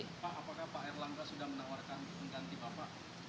pak apakah pak erlangga sudah menawarkan mengganti bapak